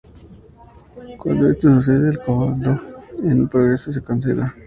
Cuando esto sucede, el comando en progreso se cancela.